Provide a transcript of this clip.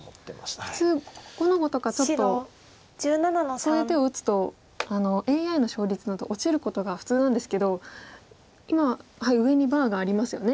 そういう手を打つとＡＩの勝率など落ちることが普通なんですけど今上にバーがありますよね。